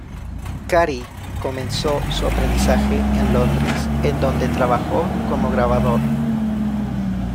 Cary comenzó su aprendizaje en Londres, en donde trabajó como grabador.